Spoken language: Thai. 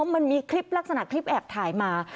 มันมีคลิปลักษณะคลิปแอบถ่ายมา